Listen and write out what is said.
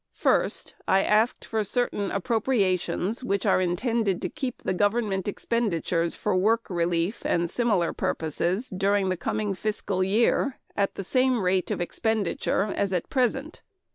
First, I asked for certain appropriations which are intended to keep the government expenditures for work relief and similar purposes during the coming fiscal year at the same rate of expenditure as at present.